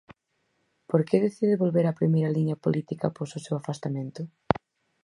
Por que decide volver á primeira liña política após o seu afastamento?